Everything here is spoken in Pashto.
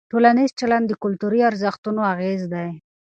ټولنیز چلند د کلتوري ارزښتونو اغېز دی.